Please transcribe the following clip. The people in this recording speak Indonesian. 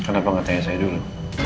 kenapa gak tanya saya dulu